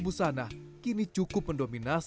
produk andalannya berupa cas dan bengkel